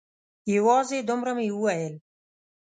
یوازې دومره مې وویل.